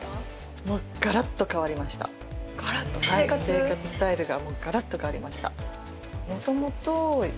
生活スタイルがガラっと変わりました。